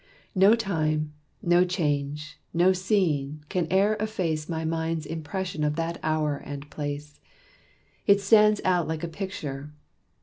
No time, no change, no scene, can e'er efface My mind's impression of that hour and place; It stands out like a picture.